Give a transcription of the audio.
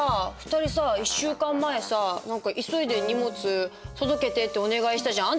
２人さ１週間前さ何か「急いで荷物届けて」ってお願いしたじゃん。